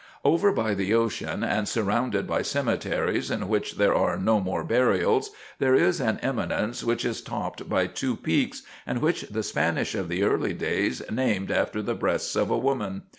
Over by the ocean and surrounded by cemeteries in which there are no more burials, there is an eminence which is topped by two peaks and which the Spanish of the early days named after the breasts of a woman.